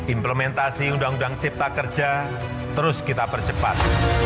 implementasi undang undang cipta kerja terus kita percepat